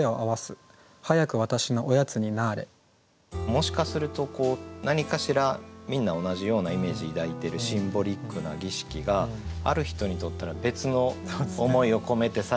もしかすると何かしらみんな同じようなイメージ抱いてるシンボリックな儀式がある人にとったら別の思いを込めてされてることも。